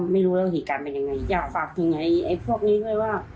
ไม่รู้เรื่องหิตการณ์เป็นยังไงอยากฝากพวกนี้ด้วยว่า